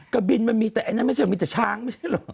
กระบินมันมีแต่อันนั้นไม่ใช่มีแต่ช้างไม่ใช่เหรอ